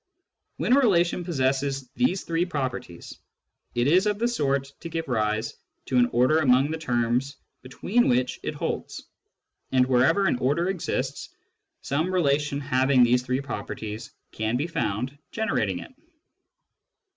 When a relation possesses these three properties, it is of the sort to give rise to an order among the terms between which it holds ; and wherever an order exists, some relation having these three properties can be found generating it.